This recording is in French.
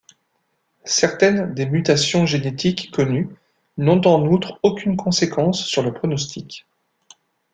Certaines des mutations génétiques connues n’ont en outre aucune conséquence sur le pronostic.